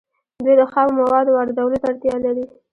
دوی د خامو موادو واردولو ته اړتیا لري